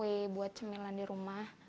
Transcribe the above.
buat kue buat cemilan di rumah